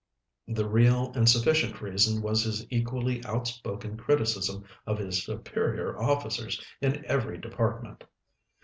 The real and sufficient reason was his equally outspoken criticism of his superior officers in every department.